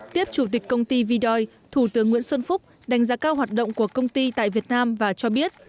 tiếp chủ tịch công ty vidoi thủ tướng nguyễn xuân phúc đánh giá cao hoạt động của công ty tại việt nam và cho biết